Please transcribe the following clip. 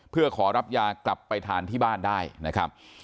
เพื่อขอรับยากลับไปทานที่บ้านได้นะครับ